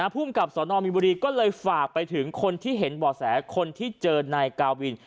ภูมิกับสนมีบุรีก็เลยฝากไปถึงคนที่เห็นบ่อแสคนที่เจอนายกาวิน